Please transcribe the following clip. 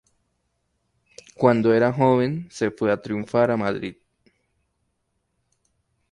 Cuando era joven se fue a triunfar a Madrid.